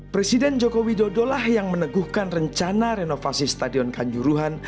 presiden jokowi dodolah yang meneguhkan rencana renovasi stadion kanjuruhan